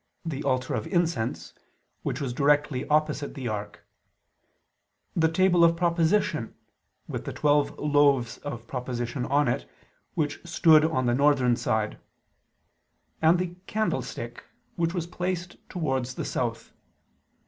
the "altar of incense," which was directly opposite the ark; the "table of proposition," with the twelve loaves of proposition on it, which stood on the northern side; and the "candlestick," which was placed towards the south.